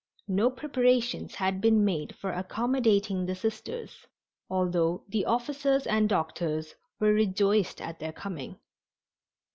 No preparations had been made for accommodating the Sisters, although the officers and doctors were rejoiced at their coming.